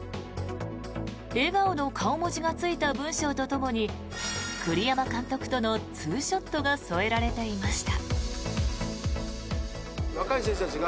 笑顔の顔文字がついた文章とともに栗山監督とのツーショットが添えられていました。